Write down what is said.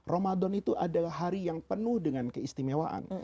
ramadan itu adalah hari yang penuh dengan keistimewaan